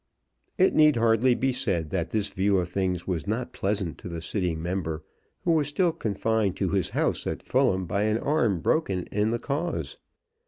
It need hardly be said that this view of things was not pleasant to the sitting member, who was still confined to his house at Fulham by an arm broken in the cause.